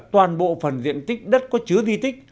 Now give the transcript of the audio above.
toàn bộ phần diện tích đất có chứa di tích